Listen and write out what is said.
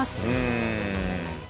うん！